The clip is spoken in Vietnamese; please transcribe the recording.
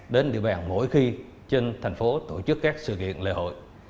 đến địa bàn mỗi khi trên thành phố tổ chức các sự kiện lễ hội